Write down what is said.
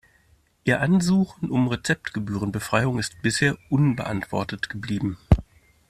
Ihr Ansuchen um Rezeptgebührenbefreiung ist bisher unbeantwortet geblieben.